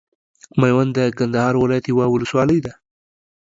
ميوند د کندهار ولايت یوه ولسوالۍ ده.